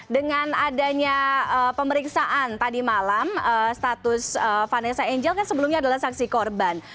dengan adanya pemeriksaan tadi malam status vanessa angel kan sebelumnya adalah saksi korban